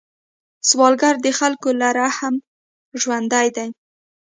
سوالګر د خلکو له رحم ژوندی دی